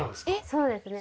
そうですね。